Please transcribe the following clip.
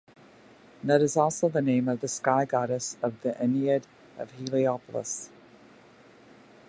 Nut is also the name of the sky goddess of the Ennead of Heliopolis.